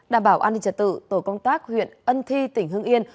đảm bảo an ninh trật tự tổ công tác huyện ân thi tỉnh hưng yên